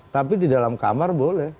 tapi di dalam kamar boleh